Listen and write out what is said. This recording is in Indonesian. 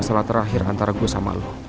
masalah terakhir antara gua sama lu